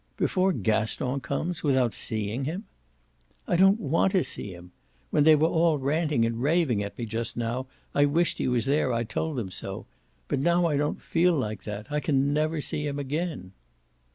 "Before Gaston comes without seeing him?" "I don't want to see him. When they were all ranting and raving at me just now I wished he was there I told them so. But now I don't feel like that I can never see him again."